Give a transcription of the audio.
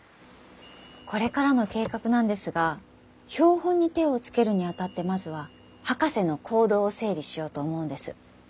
これからの計画なんですが標本に手をつけるにあたってまずは博士の行動を整理しようと思うんです。